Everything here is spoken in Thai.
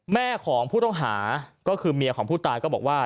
แม่ของผู้ต้องหาก็คือเมียของผู้ตายก็บอกว่า